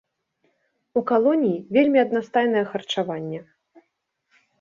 У калоніі вельмі аднастайнае харчаванне.